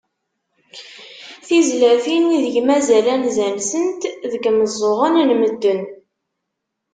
Tizlatin ideg mazal anza-nsent deg yimeẓẓuɣen n medden.